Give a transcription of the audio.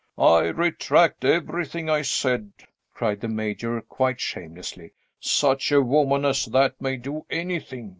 "I retract everything I said!" cried the Major, quite shamelessly. "Such a woman as that may do anything.